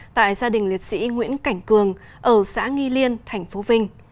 tại gia đình liệt sĩ nguyễn cảnh cường ở xã nghi liên tp vinh